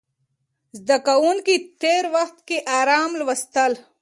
زده کوونکي تېر وخت کې ارام لوستل.